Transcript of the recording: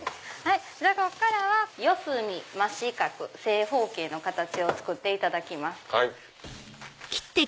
ここからは四隅真四角正方形の形を作っていただきます。